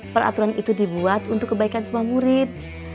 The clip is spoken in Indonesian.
peraturan itu dibuat untuk kebaikan semua murid